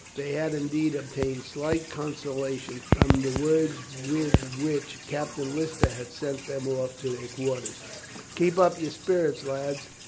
They had, indeed, obtained slight consolation from the words with which Captain Lister had sent them off to their quarters "Keep up your spirits, lads.